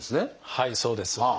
はいそうです。